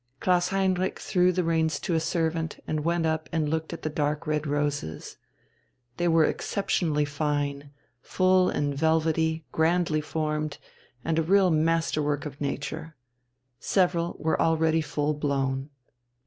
Klaus Heinrich threw the reins to a servant, and went up and looked at the dark red roses. They were exceptionally fine full and velvety, grandly formed, and a real masterwork of nature. Several were already full blown.